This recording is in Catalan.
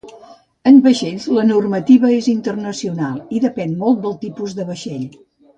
En vaixells, la normativa és internacional, i depèn molt del tipus de vaixell.